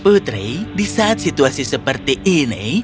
putri di saat situasi seperti ini